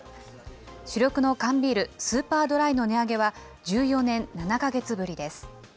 主力の缶ビール、スーパードライの値上げは１４年７か月ぶりです。